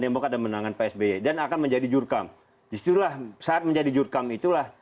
demokrat dan menangan psb dan akan menjadi jurkam disitulah saat menjadi jurkam itulah